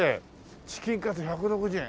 チキンカツ１６０円。